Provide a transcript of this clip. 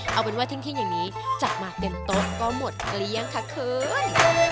เอาเป็นว่าทิ้งอย่างนี้จากหมากเต็มโต๊ะก็หมดเกลี้ยงค่ะเคย